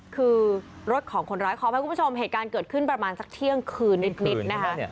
คือรถของคนร้ายขออภัยคุณผู้ชมเหตุการณ์เกิดขึ้นประมาณสักเที่ยงคืนนิดนะคะ